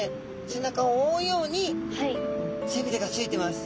背中を覆うように背びれがついてます。